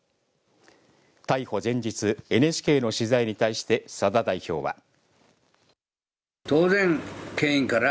逮捕前日ＮＨＫの取材に対して佐田代表は。